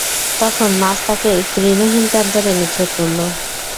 তখন মাছ তাকে এক তৃণহীন প্রান্তরে নিক্ষেপ করল।